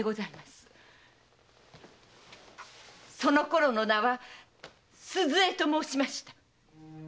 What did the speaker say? そのころの名は鈴江と申しました！